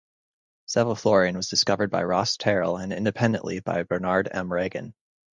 Sevoflurane was discovered by Ross Terrell and independently by Bernard M Regan.